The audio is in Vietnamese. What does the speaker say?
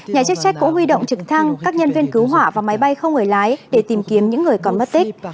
nhà chức trách cũng huy động trực thăng các nhân viên cứu hỏa và máy bay không người lái để tìm kiếm những người còn mất tích